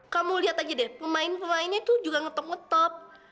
kamu lihat aja deh pemain pemainnya tuh juga ngetop ngetop